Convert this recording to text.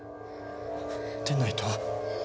出ないと。